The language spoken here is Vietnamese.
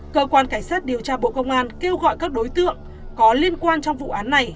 cơ quan cảnh sát điều tra bộ công an kêu gọi các đối tượng có liên quan trong vụ án này